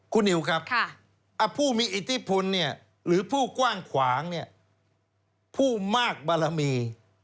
คุณนิวครับอ่ะผู้มีอิติภูมิเนี่ยหรือผู้กว้างขวางเนี่ยผู้มากบารมี